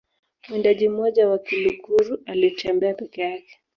mwindaji mmoja wa kiluguru alitembea peke yake